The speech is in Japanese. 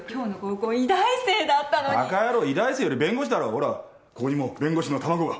ほらここにも弁護士の卵が。